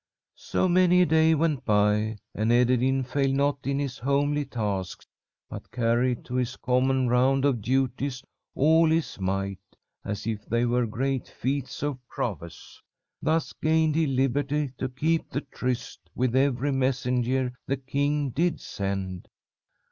"So many a day went by, and Ederyn failed not in his homely tasks, but carried to his common round of duties all his might, as if they were great feats of prowess. Thus gained he liberty to keep the tryst with every messenger the king did send.